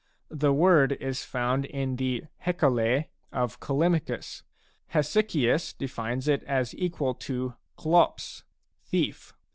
The word is found in the Hecale of Callimachus. Hesychius defines it as equal to «Atty "thief."